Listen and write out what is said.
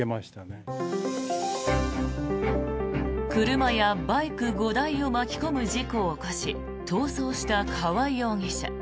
車やバイク５台を巻き込む事故を起こし逃走した川合容疑者。